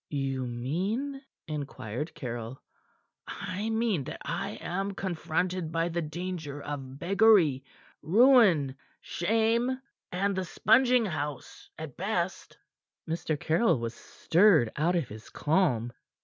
"You mean?" inquired Caryll. "I mean that I am confronted by the danger of beggary, ruin, shame, and the sponging house, at best." Mr. Caryll was stirred out of his calm.